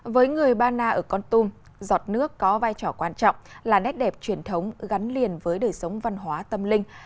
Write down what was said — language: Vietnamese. với người ba na ở con tum giọt nước có vai trò quan trọng là nét đẹp truyền thống gắn liền với đời sống văn hóa tâm linh